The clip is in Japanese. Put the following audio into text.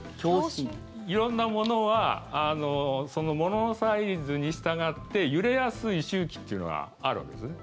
色んな物はその物のサイズにしたがって揺れやすい周期っていうのがあるわけですね。